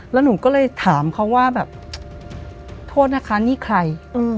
แล้วหนูก็เลยถามเขาว่าแบบโทษนะคะนี่ใคร